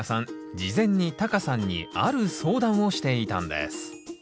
事前にタカさんにある相談をしていたんですん？